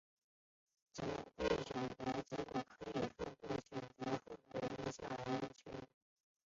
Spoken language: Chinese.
选项的结果可以透过选择后的音效来确认。